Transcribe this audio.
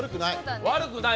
悪くない！